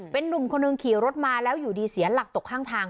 เป็นนุ่มคนหนึ่งขี่รถมาแล้วอยู่ดีเสียหลักตกข้างทาง